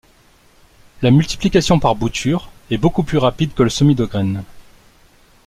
La multiplication par boutures est beaucoup plus rapide que le semis de graines.